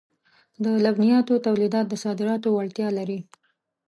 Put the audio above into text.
د لبنیاتو تولیدات د صادراتو وړتیا لري.